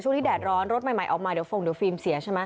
ที่แดดร้อนรถใหม่ออกมาเดี๋ยวฟงเดี๋ยวฟิล์มเสียใช่ไหม